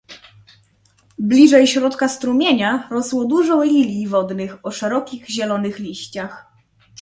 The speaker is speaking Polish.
"Bliżej środka strumienia rosło dużo lilij wodnych o szerokich, zielonych liściach."